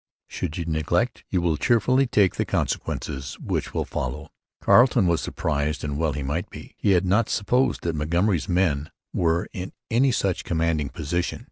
Should you Neglect You will Cherefully take the Consequences which will follow. Carleton was surprised: and well he might be. He had not supposed that Montgomery's men were in any such commanding position.